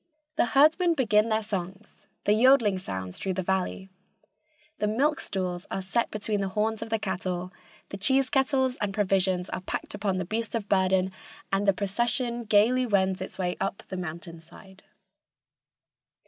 The herdsmen begin their songs, the yodling sounds through the valley, the milk stools are set between the horns of the cattle, the cheese kettles and provisions are packed upon the beasts of burden, and the procession gaily wends its way up the mountainside.